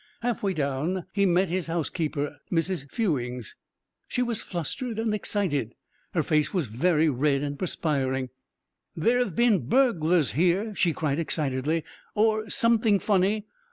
Half way down he met his housekeeper, Mrs. Fewings. She was flustered and excited, and her face was very red and perspiring. "There've been burglars here," she cried excitedly, "or something funny!